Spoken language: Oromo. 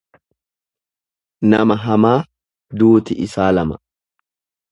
Nama hamaa duuti isaa lama.